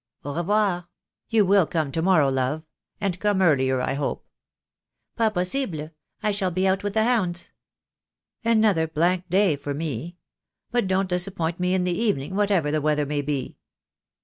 etAu revoir. You will come to morrow, love; and come earlier, I hope." "Pas possible. I shall be out with the hounds." "Another blank day for me. But don't disappoint me in the evening, whatever the weather may be."